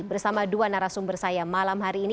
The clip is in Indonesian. bersama dua narasumber saya malam hari ini